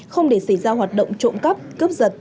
không để xảy ra hoạt động trộm cắp cướp giật